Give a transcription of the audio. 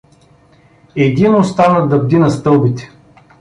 Един остана да бди на стълбите.